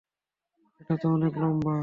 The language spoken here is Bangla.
এটা তো অনেক লম্বা।